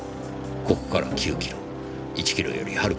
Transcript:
ここから９キロ１キロよりはるか彼方ですねぇ。